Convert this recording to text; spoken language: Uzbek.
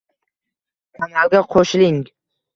Kanalga qo'shiling: